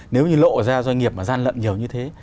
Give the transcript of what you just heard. nếu như lộ ra doanh nghiệp mà gian lận nhiều như thế